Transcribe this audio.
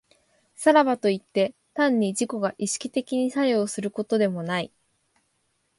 さらばといって、単に自己が意識的に作用することでもない。